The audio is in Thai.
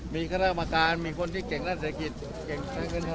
มีข้าวบาลการณ์มีคนที่เก่งแรกเหตุเศรษฐกิจ